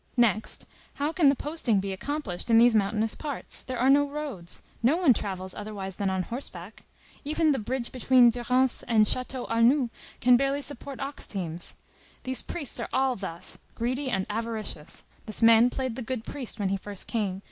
Next, how can the posting be accomplished in these mountainous parts? There are no roads. No one travels otherwise than on horseback. Even the bridge between Durance and Château Arnoux can barely support ox teams. These priests are all thus, greedy and avaricious. This man played the good priest when he first came.